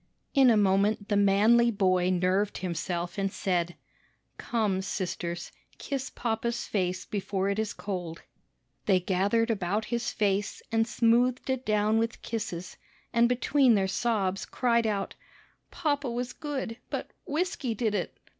In a moment the manly boy nerved himself, and said, "Come, sisters, kiss papa's face before it is cold." They gathered about his face and smoothed it down with kisses, and between their sobs cried out: "Papa was good, but whisky did it!